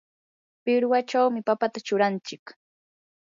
pirwachawmi papata churanchik.